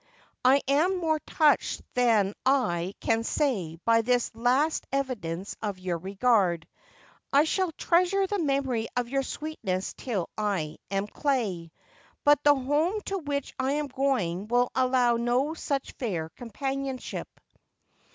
I am more touched than I can say by this last evidence of your regard. I shall treasure the memory of your sweetness till I am clay. But the home to which I am going will allow of no such fair companionship.